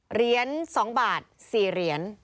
เหรียญ๒บาท๔เหรียญ